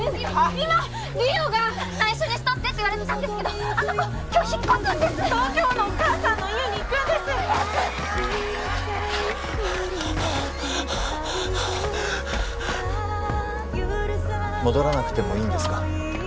今梨央が内緒にしとってって言われてたんですけどあの子今日引っ越すんです東京のお母さんの家に行くんです戻らなくてもいいんですか？